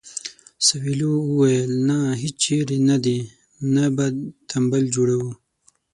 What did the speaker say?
سویلو وویل نه هیچېرې نه دې نه به تمبل جوړوو.